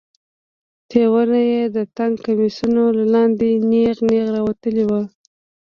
تيونه يې د تنګو کميسونو له لاندې نېغ نېغ راوتلي وو.